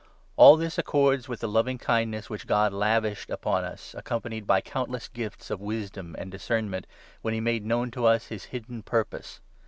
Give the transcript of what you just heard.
All this accords with the loving 8 kindness which God lavished upon us, accompanied by countless gifts of wisdom and discernment, when he made 9 known to us his hidden purpose.